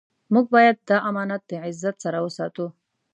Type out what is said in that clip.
موږ باید دا امانت د عزت سره وساتو.